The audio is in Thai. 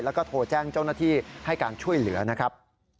แล้วก็โทรแจ้งเจ้าหน้าที่ให้การช่วยเหลือนะครับ